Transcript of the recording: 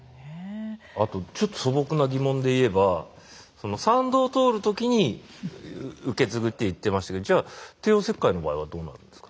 あとちょっと素朴な疑問で言えば産道を通る時に受け継ぐって言ってましたけどじゃあ帝王切開の場合はどうなるんですか？